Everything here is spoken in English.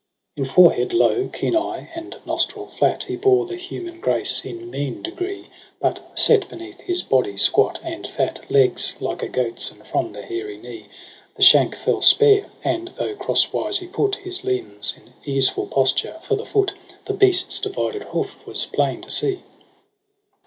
I? In forehead low, keen eye, and nostril flat He bore the human grace in mean degree. But, set beneath his body squat and fat. Legs like a goat's, and from the hairy knee The shank fell spare; and, though crosswise he put His limbs in easeful posture, for the foot The beast's divided hoof was plain to see.